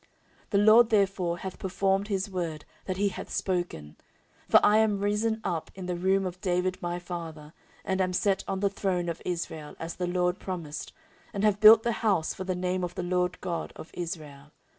14:006:010 The LORD therefore hath performed his word that he hath spoken: for I am risen up in the room of David my father, and am set on the throne of Israel, as the LORD promised, and have built the house for the name of the LORD God of Israel.